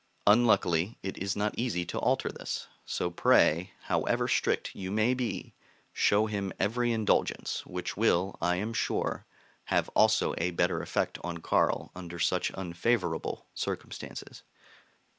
Unluckily it is not easy to alter this; so pray, however strict you may be, show him every indulgence, which will, I am sure, have also a better effect on Carl under such unfavorable circumstances.